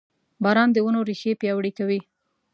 • باران د ونو ریښې پیاوړې کوي.